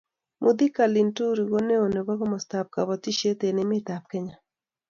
Mithika Linturi ko neo nebo komostab kobotisiet eng emetab Kenya